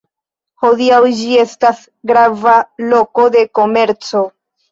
Hodiaŭ ĝi estas grava loko de komerco.